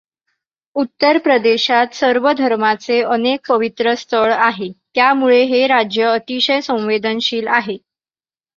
उत्तर प्रदेशात सर्व धर्माचे अनेक पवित्र स्थळ आहे त्यामुळे हे राज्य अतिशय संवेदनशील आहे.